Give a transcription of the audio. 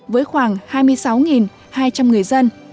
với khoảng hai mươi sáu hai trăm linh người dân